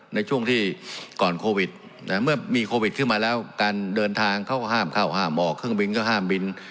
ในช่วงที่ก่อนโควิดเมื่อมีโควิดขึ้นมาแล้วการเดินทางเขาก็ห้ามเข้าห้ามออกเครื่องบินก็ห้ามบิน